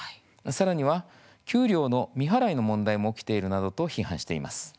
さらには、給料の未払いの問題も起きているなどと批判しています。